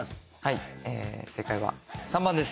正解は３番です。